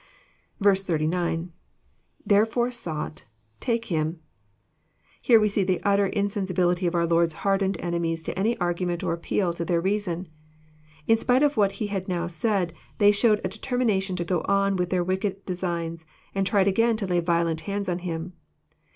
B9. — lTherefore,„8ought,.,take him,'] Here we see the utter insen sibility of our Lord's hardened enemies to any argument or appeal to' their reason. In spite of what He had now said, they showed a determination to go on with their wicked designs, and tried again to lay violent hands on Him.